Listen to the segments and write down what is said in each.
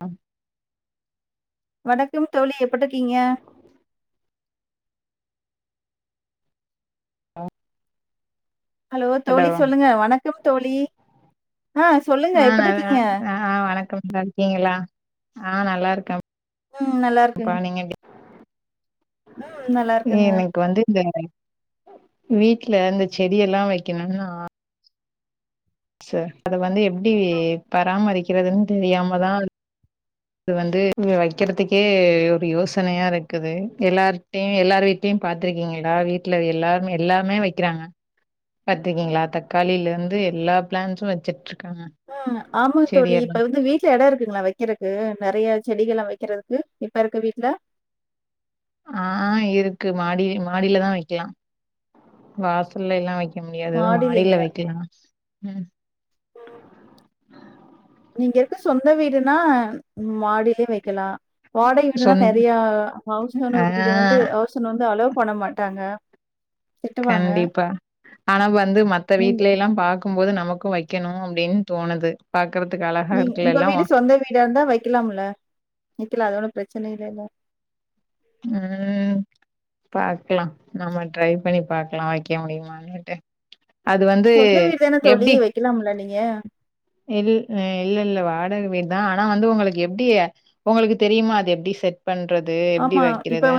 அ வணக்கம் தோழி எப்பிட்ருக்கீங்க ஆ ஹலோ தோழி சொல்லுங்க வணக்கம் தோழி ஆ சொல்லுங்க ஆ நல்லா எப்டிருக்கீங்க ஆ வணக்கம் நல்லா இருக்கீங்ளா ஆ நல்லாருக்கே ம் நல்லாருக்கங்க நல்லா இருக்குங்க. எனக் வந்து இந்த வீட்ல இந்த செடிய்ல்லா வெய்க்கணுனு ஆச அத வந்து எப்டி பராமரிக்கிறதுன் தெரியாமதா இது வந்து வெக்கிறதுக்கே ஒரு யோசனையா இருக்குது எல்லார்கிட்டையு எல்லார் வீட் டையு பாத்துருக்கீங்களா வீட்ல எல்லாரு எல்லாமே வெக்கிறாங்க பாத்திக்கீங்ளா தக்காளிலருந்து எல்லா பிளான்ஸு வெச்சிட்ருக்காங்க ம் ஆமா தோழி இப்ப வந்து வீட் சுத்தி எட இருக்குங்களா வெக்கிறக்கு நெறைய செடிகல்லா வெக்கிறக்கு இப்ப இருக்கற வீட்ல ஆ இருக்கு மாடி மாடியில தா வெக்கிலா வாசல்ல எல்லா வெக் க முடியாது மாடியில மாடிலீங்களா? வெக்கலா ம் [unintelligible] நீங்க இருக்க சொந்த வீடுனா மாடியிலே வெக்கலா வாடகை வீடுன்னா சொந் நெறைய ஹவுஸ் ஆ ஓனர் வீடு வந்து ஹவுஸ் ஓனர் வந்து‌ அலோ பண்ண மாட்டாங்க திட்டுவாங்க. கண்டிப்பா ஆனா வந்து மத்த நீங்க வீட்ல எல்லா பாக் கும்போது நமக்கு வெய்க்கணு அப்டின் தோணுது பாக்கறதுக்கு அழ நீ உங்க வீடு சொந்த வீடா இருந்தா வெய்க்கலாம் இல்ல வெக்கலா அதொன்னு பிரச்சன இல்லேல ம் பாக்கலா நம்ம ட்ரை பண்ணி பாக்கலா வெய்க்க முடியுமானுட்டு அது வந்து எப்டி க்கிலாம்ல்ல நீங்க இது இ இல்லல்ல வாடக வீட் தா ஆனா வந்து உங்களுக்கு எப்டி உங்களுக்கு தெரியுமா அது எப்டி செட் பண்றது எப்டி ஆமா. வெக்கிறது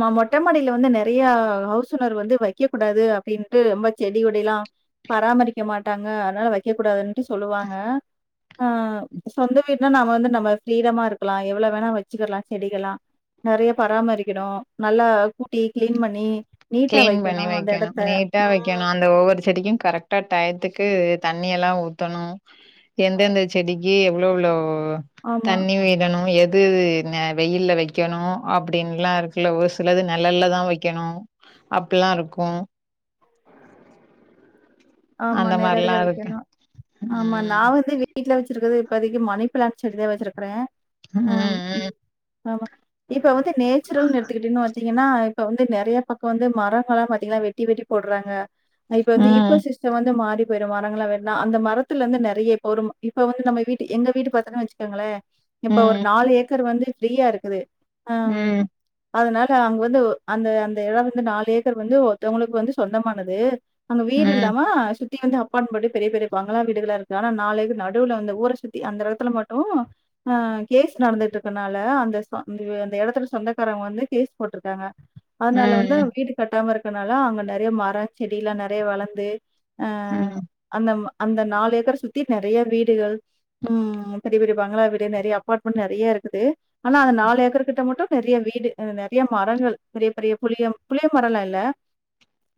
மொ மொட்ட மாடில வந்து நெறைய ஹவுஸ் ஒனர் வந்து வைக்க கூடாது அப்டின்ட்டு ரொம்ப செடி கொடிலாம் பராமரிக்க மாட்டாங்க அதனால வைக்க கூடாதுனு சொல்லுவாங்க ஆ சொந்த வீடுனா நாம வந்து நம்ம ஃரீடமா இருக்கலாம் எவ்வளவு வேணா வச்ச வச்சுக்கறலாம் செடிகல்லாம் நிறைய பராமரிக்கணும் நல்லா கூட்டி கிளீன் பண்ணி நீட்டா வைக்கணும் அந்த எடத்த ட்டா வைக்கணும் அந்த ஒவ்வொரு செடிக்கும் கரெக்டா டயத்துக்கு தண்ணிய எல்லாம் ஊத்தணும் எந்தெந்த செடிக்கு எவ்ளோ எவ்ளோ ஆமா, தண்ணி விடணும் எது நே வெயில்ல வெக்கணு அப்டின்னுலா இருக்குல ஒரு சிலது நிழல்ல தான் வைக்கணு அப்பல்லாம் இருக்கும் ஆமா அந்த மாரிலா நெழல்லதான் இருக்கு வைக்கணும் ஆமா ம் நா வந்து வீட்டுல வச்சிருக்கிறது இப்போதைக்கு மணி பிளாண்ட் செடிதான் வச்சிருக்கறேன் ஆ ம் ஆமா இப்ப வந்து நேச்சுரல்னு எத்துக்கிட்டன்னு பாத்தீங்கன்னா இப்ப வந்து நிறைய பக்கம் வந்து மரங்களல்லாம் பாத்தீங்கன்னா வெட்டி வெட்டி வெட்டி போடுறாங்க இப்ப வந்து ம் லிஸ்ட் வந்து மாறி போயிரு மரங்களா வெட்டுனா அந்த மரத்துலருந்து நெறைய பொறும இப்ப வந்து நம்ம வீட்டு எங்க வீட்டு பாத்தன்னு வச்சி கோங்களே இப்ப ஒரு ம் நாலு ஏக்கர் வந்து ஃப்ரீயா இருக்குது ம் அதனால அங்க வந்து அந்த அந்த எடம் வந்து நாலு ஏக்கர் வந்து ஒருத்தவங்களுக்கு வந்து சொந்தமானது அங்க வீடுல் ம் ஆ சுத்தி வந்து அப்பார்ட்மெண்டு பெரிய பெரிய பங்களா வீடுகளா இருக்கு நாலு இது நடுவுல வந்த ஊர சுத்தி அந்த எடத்துல மட்டும் அ கேஸ் நடந்துட்டு இருக்கனால அந்த அந்த இடத்தோட சொந்தக்காரவங்க வந்து கேஸ் போட்டிருக்காங்க அதனால வந்து ம் வீடு கட்டாம இருக்கனால அங்க நிறைய மரம் செடிய எல்லாம் நிறைய வளந்து அ ம் அந்த அந்த நாலு ஏக்கர சுத்தி நிறைய வீடுகள் ம் பெரிய பெரிய பங்களா வீடு நெறைய அப்பார்ட்மெண்ட் நெறைய இருக்குது ஆனா அந்த நாலு ஏக்கர் கிட்ட மட்டு நிறைய வீடு நிறைய மரங்கள் பெரிய பெரிய புளிய புளிய மரம்லாம் இல்ல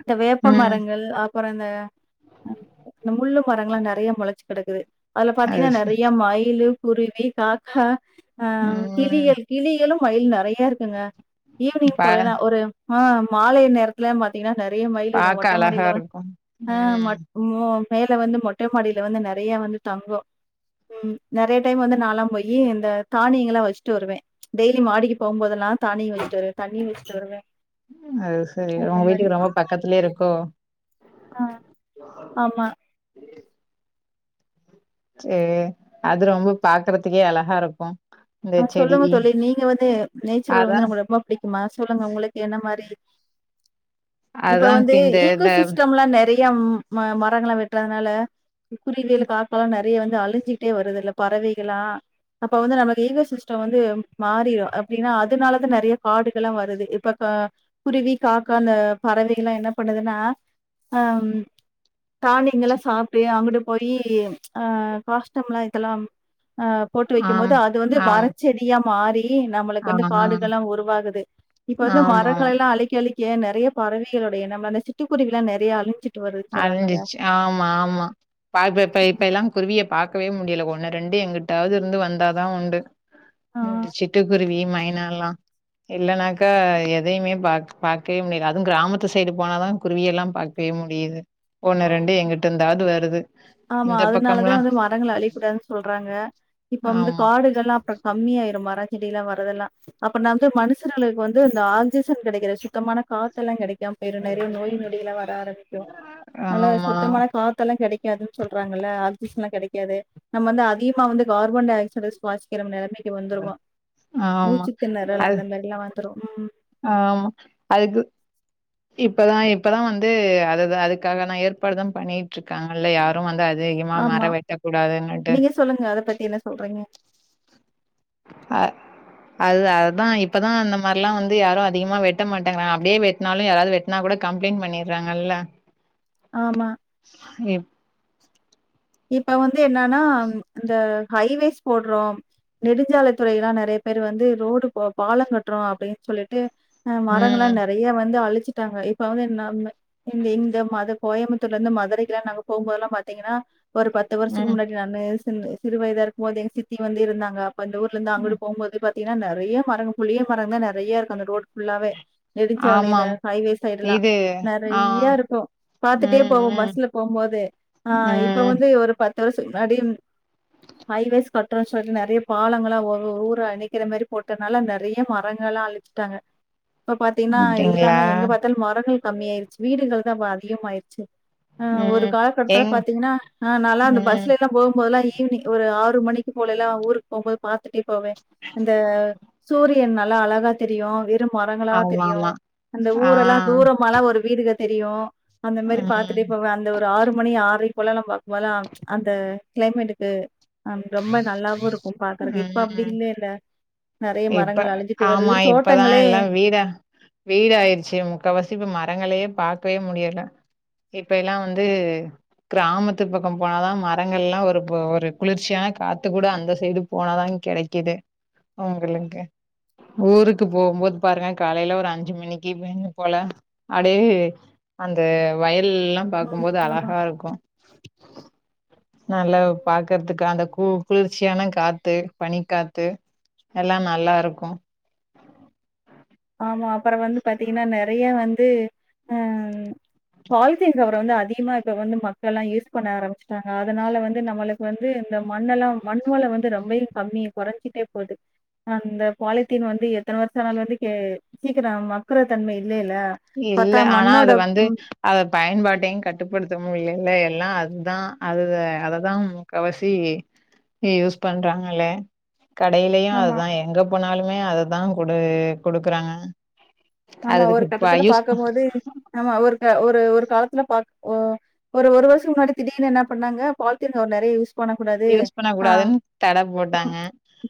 இந்த வேப்ப ம் மரங்கள் அப்பறம் இந்த இந்த முள்ளு மரங்கல்லாம் நிறைய முளைச்சு கிடக்குது அதுல அது பாத்தீங்கன்னா ச நிறைய மயிலு குருவி காக்கா ஆ ம் கிளியல் கிளியலும் மயில் நிறைய இருக்குங்க ஈவினிங் பா போலன்னாம் ஒரு ஆ மாலை நேரத்துல பாத்தீங்கன்னா நிறைய மயில் இல்ல பாக்க மொட்டை அழகா மாடியில வந்து இருக்கு ஆ ம் மட் மோ மேல வந்து மொட்ட மாடில வந்து நெறைய வந்து தங்கும் ம் நெறைய டைம் வந்து நாளாம் போயி இந்த தானியங்களா வச்சுட்டு வருவேன் டெய்லி மாடிக்கு போகும்தெல்லாம் தானியம் வெச்சுட்டு வருவேன் தண்ணியும் வெச்சுட்டு வருவேன் ம் அது சரி உங்க வீட்டுக்கு ரொம்ப பக்கத்துலயே இருக்கோ ஆ ஆமா சேரி அது ரொம்ப பாக்குறதுக்கே அழகா இருக்கும் ஆ சொல்லுங்க தோழி நீங்க வந்து நேச்சர்ல் அதா வந்து உங்களுக்கு ரொம்ப பிடிக்குமா சொல்லுங்க உங்களுக்கு என்ன மாறி இப்ப அதான் வந்து இந்த ஈகோ இந்த சிஸ்டம்லா நெறை யம் மரங்கள வெட்டுறதுனால குருவியல் காக்கலாம் நிறை நிறைய வந்து அழிஞ்சிட்டே வருதுல்ல பறவைகளா அப்ப வந்து நமக்கு பேசர் சிஸ்டம் வந்து மாறிரும் அப்படின்னா அதனாலதான் நிறைய காடுகள் எல்லாம் வருது இப்ப க குருவி காக்கா அந்த பறவைகள்ல எல்லாம் என்ன பண்ணுதுன்னா ம் தாணியங்கல்லாம் சாப்பி அங்கிட்டு போயி அ ககாஷ்டம்லாம் இதெல்லாம் அ போட்டு வைக்கும் ஆம் போது அது வந்து ஆமா. மரச்செடியா மாறி நம்மளுக்கு வந்து ஆமா. காடுகள்லாம் உருவாகுது இப்ப வந்து ஆமாமா. மரங்கள் எல்லாம் அழிக்க அழிக்க நிறைய பறவைைடைய இனம் அந்த சிட்டுக்குருவில்லாம் நிறைய அழிஞச்சிட்டு அழிஞ்சிச்சு ஆமா ஆமா பா பெப்பேய் இப்ப எல்லான் குருவிய பாக்கவே முடியல ஒண்ணு ரெண்டு எங்குட்டாவ்து இருந்து வந்தாதா உண்டு ஆ. இந்த சிட்டுக்குருவி மைனாலா இல்லானாக்கா எதையுமே பாக் பாக்கே முடியாது அது க்ராமத்து சைடு போனாதா குருவியெல்லாம் பாக் பே முடியுது ஒன்னு ரெண்டு எங்கிட்டிந்தாது வருது ஆமா இந்த அதனாலதா பக்கம்லாம் வந்து மரங்ள அழிக்கூடாதுன் சொல்றாங்க இப்பம்ந்து ஆமா, கார் ஆடுகள்லா அப்ற கம்மியாய்ரு மர செடில்லா வரதெல்லா அப்பனாவ்ந்து மனுசனாளுக் வந்து அந்த ஆன்ஜிசன் கிடைக்கற சுத்தமான காத்தெல்லாம் கெடை எம் பேரு நெறைய நோய் நொடிலா வர ஆரம்பிக்கு நல்ல ஆமா, சுத்தமான காத் த்தல்லா கெடைக்காது சொல்றாங்கல ஆக்சிஜன்லா கெடைக்காது நம்ம வந்து அதிகமா வந்து கார்பன்டைஆக்சைடு ஸ்வாசி கிறமென் எல்லார்மே இங்கே வந்துருவோ ஆமா. மூச்சு தேண்ணறல் அது அந்த மாரில்லா வந்துரு ம் ஆமா அதுக்கு இப்பதா இப்பதா வந்து அதுதா அதுக்காக நா ஏற்பாடு தா பண்ணிட்ருக் க்காங்கல்ல யாரு வந்து அதீகமா ஆமா மர வெட்டக் கூடாதுன்னுட்டு நீங்க சொல்லுங்க அத பத்தி என்ன சொல்றீங்க ஆ அது அதா இப்பதா அந்த மார்லா வந்து யாரு அதிகமா வெட்ட மாட்டாங்னா அப்டே வெட்னாலு யாராவ்து வெடா நா கூட கம்ப்ளைண் பண்ணிறாங்கல்ல ஆமா எப் இப்ப வந்து என்னான்னாம் இந்த ஹைவேஸ் போட்றோம் நெடுஞ்சாலை துறை எல்லா நெறைய பேர் வந்து ரோடு பா பாலங்கட்றோ அப்டின் சொல்லிட்டு அ மரங்களா ம். நெறைய வந்து அழிச்சிட்டாங்க இப்ப வந்து என் னா ம்மே இந்த இந்த மது கோயம்புத்தூர்ல இருந்து மதுரைக்கல்லா நாங்க போம்போதுல்லா பாத்தீங்கன்னா ஒரு பத்து வர்ஸுக்கு ம். முன்னாடி நன்னு சிந்நு சிறு வயதா இருக்கும்போதே எங்க சித்தி வந்து இருந்தாங்கப் ப்ப இந்த ஊர்லுந்து அங்குட்டு போம்போது பாத்தீங்கனா நெறையா மரங்கு புளிய மரன்தா நெறைய இருக்கு அந்த ரோட் புல்லாவே நெடுச்சாலை இந்த ஆமாம். ஹைவே சைடுல்லா இது ஆ. நெறையா இருக்கு பாத்துட்டே ம். போவோ ம். பஸ்ல போம்போது ஆ இப்ப ம். வந்து ஒரு பத்து வர்ஸோ முன்னாடிம் ஹைவேஸ் கட்றோ சொல்லி நறிய பாலங்களா ஒவ்வு ஊரா அணிக்கிற மாரி போட்டுனால நறிய மரங்களா அலி ச்சுட்டாங்க இப்ப பாத்தீன்னா அப்படிங்களா? எல்லாமே எங்க பாத் த்தல் மரங்கள் கம்மியாய்ர்ச் வீடுகள் தான் பா அதிகமாய்ர்ச்சு ஆ ஒரு ம். காலகட்த்துல எங் பா்த்தீங்னா அ நால அந்த ம். பஸ்ல எல்லா போம்போதெல்லா ஈவ்னி ஒரு ஆறு மணிக்கு போலல்லாம் ஊருக் போம் போது பாத்துட்டே போவே இந்த சூரியன் நல்லா அழகா தெரியு வே ட்டு மரங்களா தெரியு ஆமாமா. அந்த ஆ. ஊரெல்லா தூரம் மல ஒரு வீடுக தெரியு அந்த மாரி பாத்துட்டே ம். போவே அந்த ஒரு ஆறு மணி ஆரை போலலம்பாக் போலா அந்த க்ளைமேட்டுக்கு அம் ரொம்ப நல்லாவு இருக்கும் பாக்கறக்கு இப்ப அப்டி ம். இல்லேல்ல நெறைய இப்ப மரங்கள் அழிஞ்சிட்டு வருது. ஆமா இப்பதா தோட்டங்களே எல்லா வீட வீடா ஆய்ர்ச்சு முக்காவாசி இப்ப மரங்களே பாக்வே முடியல இப்ப எல்லா வந்து க்ராமத்து பக்கோ போனா தா மரங்கல்லா ஒரு போ ஒரு குளிர்ச் ச்சியா காத்து கூட அந்த சைடு போனாதா கெடைக்குது அவ்ங்களுன்ங்கு ஊருக்கு போம்போத் பாருங்க காலைல ஒரு அஞ்சு மணிக்கி வேன்னு போல அடே அந்த வயல்ல்லா ம் பாக்கும்போது ஆமா. அழஹா இருக்கு நல்லாவ் பாக்கற்த்துக்கு அந்த கூ குளிர்ச்சியான காத்து பனி காத் த்து எல்லா நல்லாருக்கு ஆமா அப்பற வந்து பாத்தீங்கன்னா நெறைய வந்து உம் பாலித்தீன் கவரு வந்து அதிகமா இப்ப வந்து மக்கள்லாம் யூஸ் பண்ண ஆரம்பிச்சட்டாங்க அதனால வந்து நம்மளு கு வந்து இந்த மண்ணெல்லா மண்வள வந்து ரொம்பையு கம்மி கொறஞ்சுட்டே போது அந்த பாலிதீன் வந்து எத்தன வருஷ ஆனாலு வந்து கே சீக்கிரோ மக்குற தன்ம இல்லேல்ல இல்ல ஆனா அது வந்து அத பயன்பாட்டையு கட்டுப்படுத்த முடியிலல எல்லா அதுதா அது அததா முக்காவாசி யூஸ் பண்றாங்கள கடையிலயும் ஆமா அதுதான் எங்க போனாலுமே அததான் குடு குடுக்குறாங்க ஆமா அதுக்கு ஒரு இப்ப கட்டத்துல யூஸ் பாக்க போது ஆமா ஒரு ஒரு ஒரு காலத்துல பாக் ஓ ஒரு ஒரு வருஷோ முன்னாடி தீடீனு என்ன பண்ணாங்க பாலீதின் கவர் நெறைய யூஸ் பண்ணக்கூடாது யூஸ் பண்ண ஆ கூடாதுன் தட போட்டாங்க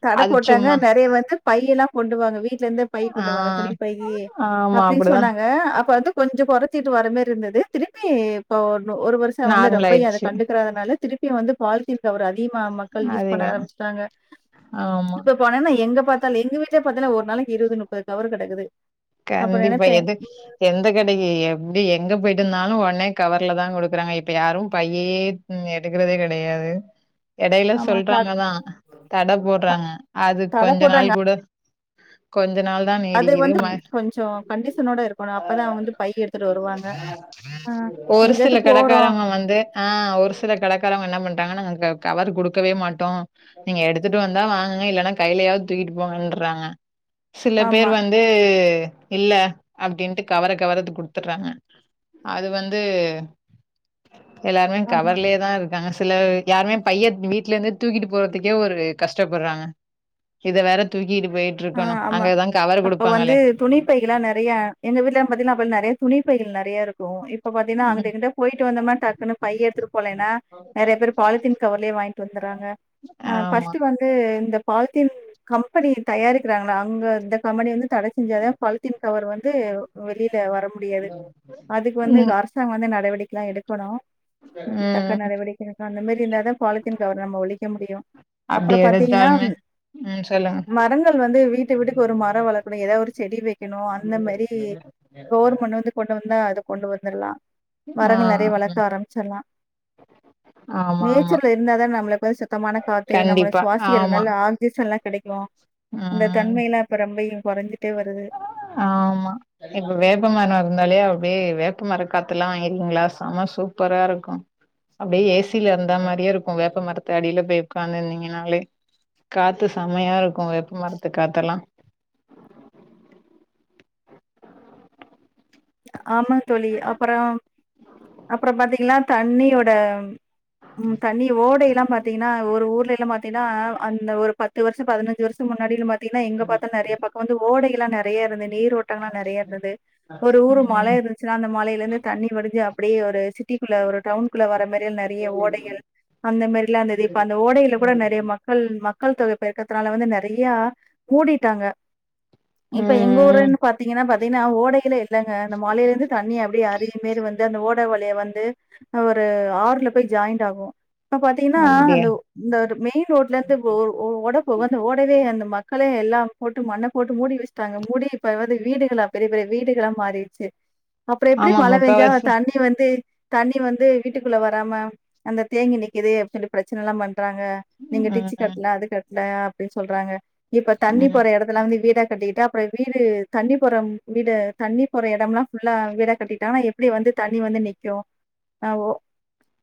தட அது போட்டாங்க சும்மா நெறைய வந்து பைய் எல்லா கொண்டுவாங்க வீட்ல இருந்து பை ஆ கொண்டு வாங்க துணிபையி ஆமா அப்டி அப்டிதான் சொன்னாங்க அப்ப வந்து கொஞ்சோ கொறச்சிட்டு வர மாரி இருந்தது திருப்பி இப்ப ஒரு வருஷ் ச்ச வந்து நார்மல் ரொம்ப அத ஆயிடுச்சு கண்டுக்கறதுனால திருப்பி வந்து பாலிதீன் கவர அதிகமா மக்கள் யூஸ் பண்ண அதிகம். ஆரபிச்சிட்டாங்க ஆமா இப்ப போனன்னா எங்க பாத்தாலு எங்க வீட்ல பாத்தன்னா ஒரு நாளைக்கு இருவது முப்பது கவர் கடக்குது கண்டிப்பா எதுக் எந்த கடைக்கு எப்டி எங்க போய்ட்டுந்தாலும் ஒன்னே கவர்ல தான் குடுக்குறாங்க இப்ப யாரும் பையி ம் எடுக்கறதே கடையாது எடைல ஆமா கட சொல்றாங்க தா தட க போட்றாங்க அது கடை கொஞ்ச போடுறாங்க. நாள் குட கொஞ்ச நாள் தான் நீடிக்குது ம ஜோ கண்டிஷனோட இருக்கணும் அப்பதான் அவங்கந்து பையி எடுத்துட்டு வருவாங்க ஆ எங்காது போறோ இப்ப வந்து ஆ ஒரு சில கடகாரங்க என்ன பண்றாங்கன்ன நாங்க கவரு குடுக்கவே மாட்டோ நீங்க எடுத்துட்டு வந்தா வாங்குங்க இல்லன்னா கையிலயாவது தூக்கிட்டு போங்கன்றாங்க சில பேர் ஆமா, வந்து இல்ல அப்டின்ட்டு கவர கவர குடுத்துர்றாங்க அது வந்து எல்லாருமே ஆமா. கவர்லேதா இரு க்காங்க சிலர் யாருமே பைய வீட்ல இருந்தே தூக்கிட்டு போறதுக்கே ஒரு கஷ்டப்பட்றாங்க இத வேற தூக்கிட்டு போயிட்டு இருக்கணு அங்கதா கவரு குடுப்பாங்களே துணிப் பைகள்ல நெறைய எங்க வீட்ல பாத்தீன்னா அப்ப நெறைய துணிப் பைகள் நெறைய இருக்கு இப்ப பாத்தீன்னா அங்கிட்டு ம், இங்குட்டு போயிட்டு வந்தோமா டக்குனு பைய எடுத்துட்டு போனேனா றெறைய பேர் பாலித்தீன் கவர்லயே வாங்கிட்டு வந்துராங்கா அ ஆமா ஃபர்ஸ்ட் வந்து து இந்த பால்த்தீன் கம்பெனிக் தயாரிக்கறாங்கள அங்க இந்த கம்பெனி வந்து தட செஞ்சா தா பாலித்தீன் கவரு வந்து வெளில வர முடியாது அதுக்கு வந்து ம் அரசாங்க வந்து நடவடிக்கல்லா எடுக்கணு ம் தக்க நடவடிக்கைக்கு அந்த மாரி இருந்தாதா பாலிதீன் கவரை நம்ம ஒழிக்க முடியும் அப்டி அப்றோ பாதீங்கன்னாம் எடுத்தாலுமே ம் சொல்லு மரங்கள் வந்து வீட்டு வீட்டுக்கு ஒரு மரோ வளக்கணு எதா ஒரு செடி வைக்கணு அந்த மாறி ரோர் மண்ணு வந்து கொண்டு வந்தா அது கொண்டு வந்துருலா ஆ வரங்கள் நெறைய வளக்க ஆரபிச்சிர்லா ஆ நேச்சர்ல இருந்தா தா நம்மளுக்கு சுத்தமான காத்து நம்மள கண்டிப்பா ஆமா சுவாசிக்கறதுனால ஆக்சிஜன் எல்லா கெடைக்கும் அந்த ம் தன்மை எல்லா இப்ப ரொம்பையு குறஞ்சிட்டே வருது ஆமா எங்க வேப்ப மரம் இருந்தாலே அப்டியே வேப்பமர காத்துல்லா எறியுங்களா செம சூப் சூப்பரா இருக்கும் அப்படியே ஏசில இருந்த மாதிரியே இருக்கும் கும் வேப்ப மரத்து அடில போய் ஒக்காந்து இருந்தீங்கனாலே காத்து செமையா இருக்கு வேப்ப மரத்து காத்தெல்லா ஆமா தோழி அப்புறோ அப்புறோ பாத்தீங்கன்னா தண்ணியோட உம் தண்ணி ஓடைல்லா பாதீங்கன்னா ஒரு ஊருலெல்லா பாதீன்னா அந்த ஒரு பத்து வருஷோ பதினஞ்சு வருஷத்துக்கு முன்னாடியிலா பாத் இப்பியென்ன எங்க பாத்தாலு நெறைய பக்கம் வந்து ஓடையெல்லா நெறைய இருந்து நீரோட்டகள் எல்லா நெறையா இருந்தது ஒரு ஊரு மல ம் இருந்துச்சுன்னா அந்த மலையில இருந்து தண்ணி வடிஞ்சு அப்டியே ஒரு சிட்டிக்குள்ள ஒரு டவுன் க்குல்ல வர மாரி நெறைய ஓடைகள் அந்த மாரிலா இருந்தது இப்ப அந்த ஓடையில கூட நெறைய மக்கள் மக்கள் தொகை பெருக்கத்துனால வந்து நெறையா மூடிட்டாங்க [unintelligible] இப்ப எங்க ம் ஊருனு பாதீங்கன்னா பாதீங்கன்னா ஓடையில இல்லங்க அந்த மலையிலருந்து தண்ணி அப்டியே அரிவி மாரி வந்து அந்த ஓட வழியா வந்து ஒரு ஆறுல போய் ஜாயிண்ட் ஆகும் இப்ப பாதீங்கன்னா அப்டியா அந்த இந்த ஒரு மெயின் ரோட்ல இருந்து ஒரு ஓட போகும் அந்த ஓடவே அந்த மக்களே எல்லா போட்டு மண்ண போட்டு மூடி வச்சுட்டாங்க மூடி இப்ப வந்து வீடுகளா பெரிய பெரிய வீடுகளாம் மாறிடுச்சு அப்புறோ எப்டி ஆமா மழ பெஞ்சா முக்காவாசி தண்ணி வந்து தண்ணி வந்து வீட்க்குள்ள வராம அந்த தேங்கி நிக்குது அப்டின்னு பிரச்சன எல்லா பண்றாங்க நீங்க டிச்சு ம் கட்டல அது கட்டல அப்படின்னு சொல்றாங்க இப்ப தண்ணி ம் போற இடத்து த்துல வந்து வீட கட்டிக்கிட்டா அப்புறம் வீடு தண்ணி போறம் வீடு தண்ணி போற எடம்ல்லா ஃபுல்லா வீடா கட்டிட்டாங்கனா எப்டி வந்து தண்ணி வந்து நீக்கும் ஆ ஒ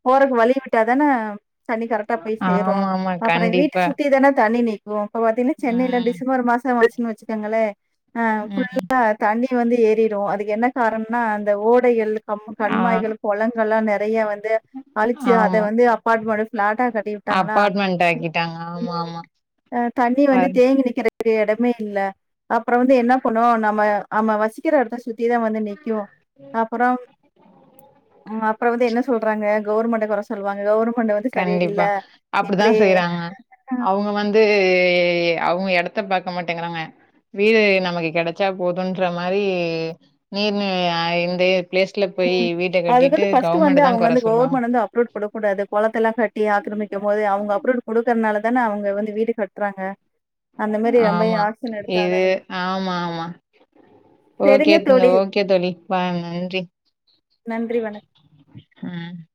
போறதுக்கு வழி விட்டா தான தண்ணி கரெக்ட்டா போய் சேரும் ஆமா ஆமா அப்புறம் வீட்டு கண்டிப்பா சுத்திதான தண்ணி நீக்கும் இப்ப பாத்தீங்கனா சென்னையில ம் டிசம்பர் மாசம் வச்சு வச்சு அதனால அ ம் ஃபுல்லா தண்ணி வந்து ஏறிடும் அதுக்கு என்ன காரணம்னா அந்த ஓடைகள் அ ஆ கண்மாய்கள் குளங்கள்லா நெறைய வந்து அழிச்சு அத ஆமா. வந்து அப்பார்ட்மெண்ட் பிளாட்டா கட்டிவிட்டாங்களா அப்பார்ட்மெண்ட் ஆக்கிட்டாங்க. ஆமா, உம் ஆமா. அ தண்ணி அ வந்து தேங்கி நிக்கிறதுக்கு இடமே இல்ல அப்புறம் வந்து என்ன பண்ணோம் நம்ம ஆமா வசிக்கிற எடத்த சுத்தி தா வந்து நிக்கும் அப்புறம் ஆ அப்புறோ வந்து என்ன சொல்றாங்க கவர்மெண்ட்ட கொற சொல்லுவாங்க கவர்மெண்ட் வந் கண்டிப்பா அப்படிதான் செய்றாங்க அவுங்க வந்து அவுங்க எடத்த பாக்க மாட்டேங்குறாங்க வீடு நமக்கு கெடச்சா போதுன்ற மாரி நீர் நிலை அமை இன்றி ம் அதுக்கு வந்து ஃபர்ஸ்ட் வந்து தான் அவுங்க கொற வந்து சொல்லும். கவர்மெண்ட் வந்து அப்ரூட் கொடு கூடாது குளதெல்லா வெட்டி ஆக்கிரமிக்கும் போது அவுங்க அப்ரூள் கொடுக்குறதுனால தான அவுங்க வந்து வீடு கட்றாங்க ஆமா இது ஆமா ஆமா ஓகே சரிங்க தோழி. ஓகே தோழி பாய் நன்றி நன்றி வணக் உம்